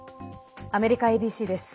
アメリカＡＢＣです。